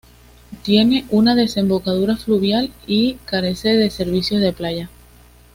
Tiene una desembocadura fluvial y carece de servicios de playa.